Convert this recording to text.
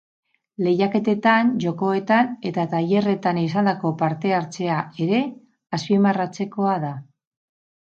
Lehiaketetan, jokoetan eta tailerretan izandako parte-hartzea ere azpimarratzekoa da.